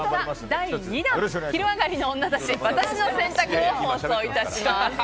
第２弾「昼上がりのオンナたちワタシの選択」を放送いたします。